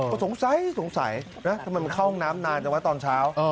ก็สงสัยสงสัยทำไมเข้าน้ำนานจนว่าตอนเช้า